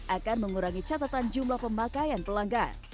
akan mengurangi catatan jumlah pemakaian pelanggan